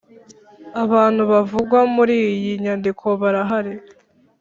abantu bavugwa muri iyi nyandiko barahari